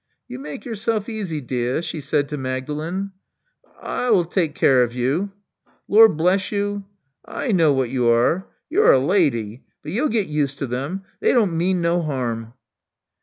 You make yourself easy, deah," she said to Mag dalen. Awe y 'll take kee yerr of you. Lor' bless you, awe y know wot you are. You're a law'ydy. But you'll get used to them. They don't mean no 'arm.